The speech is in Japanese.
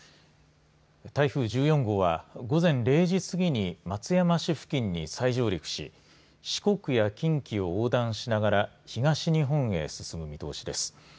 台風１４号は午前０時過ぎに松山市付近に再上陸し四国や近畿を横断しながら東日本へ進む見通しです。